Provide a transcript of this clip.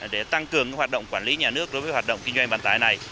để tăng cường hoạt động quản lý nhà nước đối với hoạt động kinh doanh vận tải này